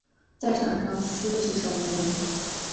在场上司职守门员。